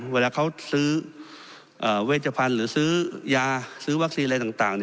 เวลาเขาซื้อเวชพันธุ์หรือซื้อยาซื้อวัคซีนอะไรต่าง